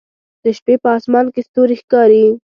د شپې په اسمان کې ستوري ښکاري